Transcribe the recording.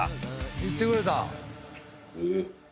行ってくれた。